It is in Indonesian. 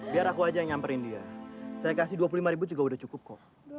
biar aku aja yang nyamperin dia saya kasih dua puluh lima ribu juga udah cukup kok